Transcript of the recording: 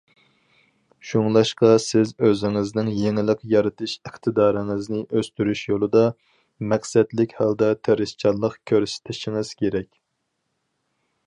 شۇڭلاشقا سىز ئۆزىڭىزنىڭ يېڭىلىق يارىتىش ئىقتىدارىڭىزنى ئۆستۈرۈش يولىدا مەقسەتلىك ھالدا تىرىشچانلىق كۆرسىتىشىڭىز كېرەك.